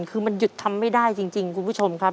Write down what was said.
คือมันหยุดทำไม่ได้จริงคุณผู้ชมครับ